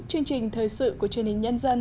chương trình thời sự của truyền hình nhân dân